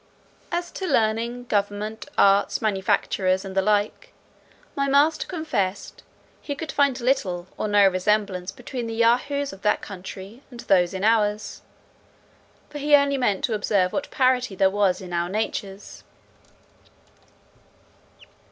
"As to learning, government, arts, manufactures, and the like," my master confessed, "he could find little or no resemblance between the Yahoos of that country and those in ours; for he only meant to observe what parity there was in our natures.